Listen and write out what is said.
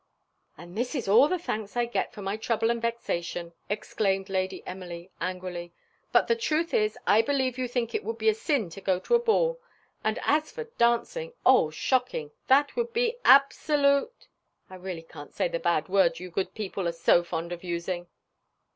"And this is all the thanks I get for my trouble and vexation," exclaimed Lady Emily, angrily; "but the truth is, I believe you think it would be a sin to go to a ball; and as for dancing oh, shocking! That would be absolute . I really can't say the bad word you good people are so fond of using."